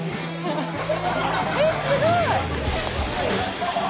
えっすごい！